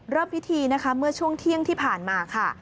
เริ่มพิธีนะคะเมื่อช่วงเที่ยงที่ผ่านมาค่ะ